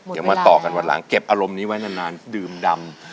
เดี๋ยวมาต่อกันวันหลังเก็บอารมณ์นี้ไว้นานดื่มดำ